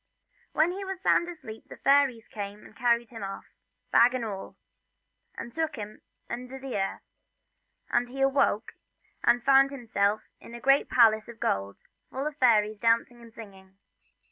When he was sound asleep the fairies came and carried him off, bag and all, and took him under the earth, and when he awoke he found himself in a great palace of gold, full of fairies dancing and singing.